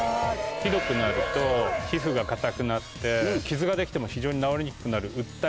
ひどくなると皮膚が硬くなって傷ができても非常に治りにくくなる。